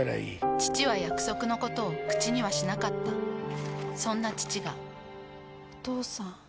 父は約束のことを口にはしなかったそんな父がお父さん。